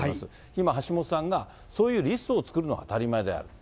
今、橋下さんが、そういうリストを作るのは当たり前である。